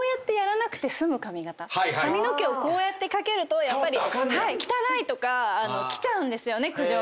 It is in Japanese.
髪の毛をこうやって掛けると汚いとか来ちゃうんですよね苦情が。